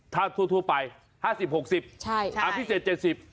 ถ้าทั่วไป๕๐๖๐อ่ะพิเศษ๗๐